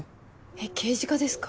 えっ刑事課ですか？